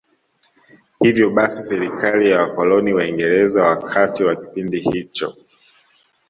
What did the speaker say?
Hivyo basi serikali ya wakoloni Waingereza wakati wa kipindi hicho